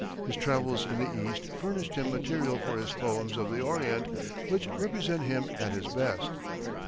His travels in the East furnished him material for his "Poems of the Orient," which represent him at his best.